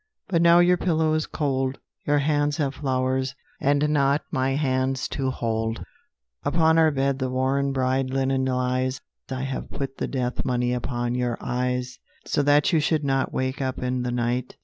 But now your pillow is cold; Your hands have flowers, and not my hands, to hold; Upon our bed the worn bride linen lies. I have put the death money upon your eyes, So that you should not wake up in the night.